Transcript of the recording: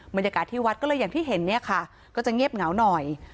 บรรยากาศที่วัดก็เลยอย่างที่เห็นเนี่ยค่ะก็จะเงียบเหงาหน่อย